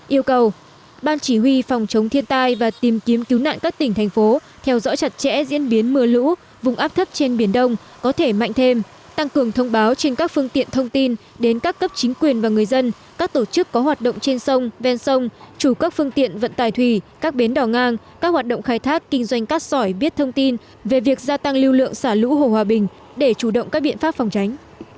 yêu cầu ban chỉ huy phòng chống thiên tai và tìm kiếm cứu nạn các tỉnh thành phố theo dõi chặt chẽ diễn biến mưa lũ vùng áp thấp trên biển đông có thể mạnh thêm tăng cường thông báo trên các phương tiện thông tin đến các cấp chính quyền và người dân các tổ chức có hoạt động trên sông ven sông chủ các phương tiện vận tài thủy các bến đỏ ngang các hoạt động khai thác kinh doanh cắt sỏi biết thông tin về việc gia tăng lưu lượng xả lũ hồ hòa bình để chủ động các biện pháp phòng tránh